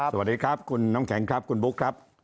สวัสดีครับคุณน้ำแข็งครับคุณบุ๊คครับ